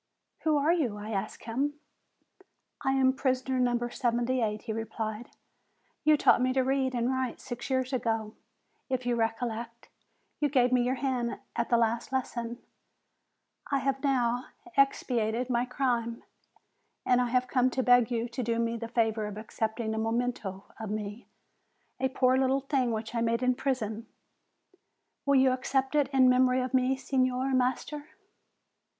'Who are you?' I asked him. 'I am prisoner No. 78,' he replied; 'you taught me to read and write six years ago; if you recollect, you gave me your hand at the last lesson; I have now expiated my crime, and I have come to beg you to do me the favor of accepting a memento of me, a poor little thing which I made in prison. Will you accept it in memory of me, Signor Master?'